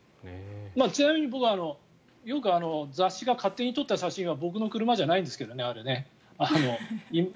ちなみに僕はよく雑誌が勝手に撮った写真は僕の車じゃないんですけどね。